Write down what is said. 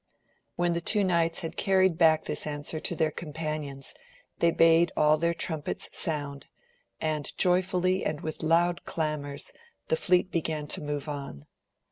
When the two knights had carried back this answer to their companions they bade all their trumpets sound, and joyfully and with loud clamours the fleet began to move on.